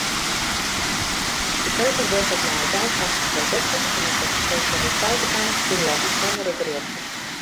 De keuken wurket mei deifarske produkten en op 'e spesjaliteitekaart fine jo bysûndere gerjochten.